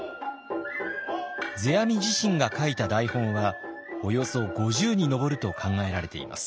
世阿弥自身が書いた台本はおよそ５０に上ると考えられています。